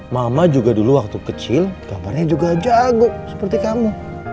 mama juga dulu waktu kecil kamarnya juga jago seperti kamu